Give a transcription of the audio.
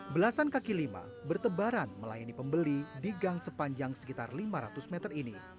belasan kaki lima bertebaran melayani pembeli di gang sepanjang sekitar lima ratus meter ini